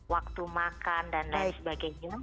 waktu makan dan lain sebagainya